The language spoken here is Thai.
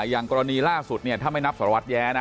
อย่างกรณีล่าสุดถ้าไม่นับสรวจแย้นะ